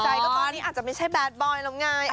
สบายใจก็ไม่ใช่แบสบอยล์แล้วไง